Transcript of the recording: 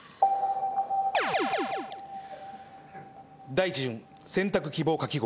第１巡選択希望かき氷。